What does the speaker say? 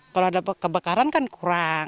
kalau ada kebakaran kan kurang